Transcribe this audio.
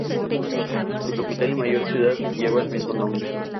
Su capital y mayor ciudad lleva el mismo nombre.